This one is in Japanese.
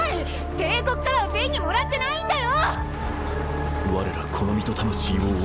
帝国からは銭もらってないんだよ！